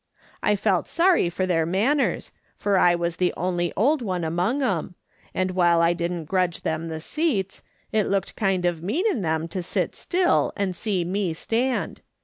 I felt sorry for their manners, for I was the only old one among 'em • and while I didn't grudge them the seats, it looked kind of mean in them to sit still and see me stand.